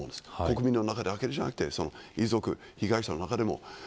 国民の中だけじゃなくて遺族、被害者の中でも。